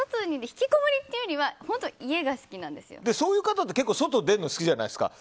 ひきこもりというよりはそういう方って結構外、出るの好きじゃないですか。